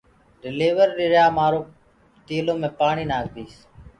ڊليور ڏريا مآرو تيلو مي پآڻيٚ ناکِ ديٚس